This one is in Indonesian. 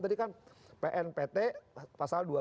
tadi kan pn pt pasal dua belas juga